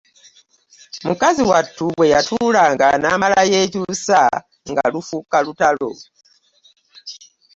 Mukazi wattu bwe yatuulanga n'amala yeekyusa nga lufuuka lutalo.